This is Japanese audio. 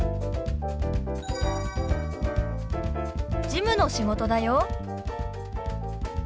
事務の仕事だよ。